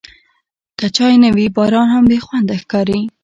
که چای نه وي، باران هم بېخونده ښکاري.